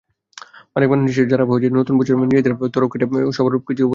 অনেক মানুষ নিশ্চয় আছেন, যাঁরা নতুন বছরে নিজেদের তরক্কিটাই সবকিছুর ওপরে রাখেন।